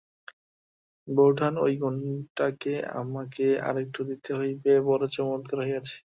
বৌঠান, ঐ ঘন্টটা আমাকে আর-একটু দিতে হইবে, বড়ো চমৎকার হইয়াছে।